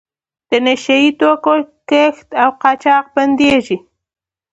د نشه یي توکو کښت او قاچاق بندیږي.